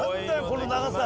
この長さ！